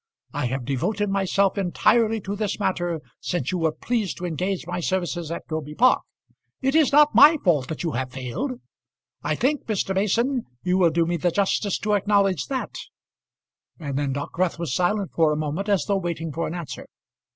I have devoted myself entirely to this matter since you were pleased to engage my services at Groby Park. It is not by my fault that you have failed. I think, Mr. Mason, you will do me the justice to acknowledge that." And then Dockwrath was silent for a moment, as though waiting for an answer.